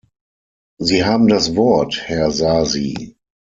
Sie haben das Wort, Herr Sasi.